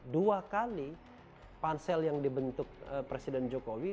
dua kali pansel yang dibentuk presiden jokowi